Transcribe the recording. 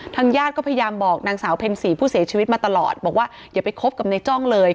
ญาติก็พยายามบอกนางสาวเพ็ญศรีผู้เสียชีวิตมาตลอดบอกว่าอย่าไปคบกับในจ้องเลย